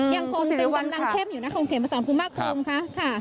ยังคงต้องกำลังเข้มอยู่นะครับคุณเขมสอนคุณมากรุงค่ะ